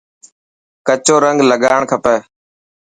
ڪچو رنگ لگان کپي.